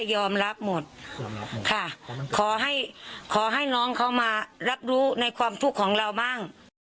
ยอมรับหมดค่ะขอให้ขอให้น้องเขามารับรู้ในความทุกข์ของเราบ้าง